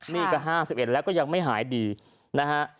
นี่ก็ห้าสิบเอ็ดแล้วก็ยังไม่หายดีนะฮะ